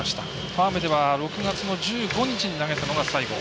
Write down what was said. ファームでは６月１５日に投げたのが最後。